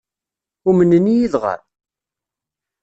Umnen-iyi dɣa?